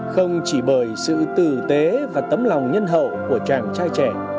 không chỉ bởi sự tử tế và tấm lòng nhân hậu của chàng trai trẻ